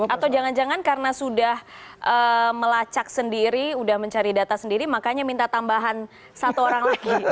atau jangan jangan karena sudah melacak sendiri sudah mencari data sendiri makanya minta tambahan satu orang lagi